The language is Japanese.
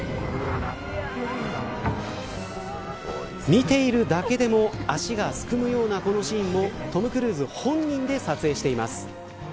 見ているだけでも足がすくむようなこのシーンもトム・クルーズ本人で撮影しています。